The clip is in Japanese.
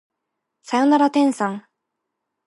さよなら天さん